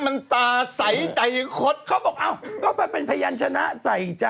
มีใครชื่อช้อน